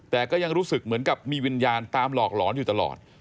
แต่ก็ยังรู้สึกเหมือนกับมีวิญญาณตามหลอกหลอนอยู่ตลอด